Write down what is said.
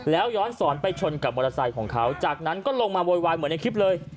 แล้วย้อนสอนไปชนกับมอเตอร์ไซค์ของเขาจากนั้นก็ลงมาโวยวายเหมือนในคลิปเลย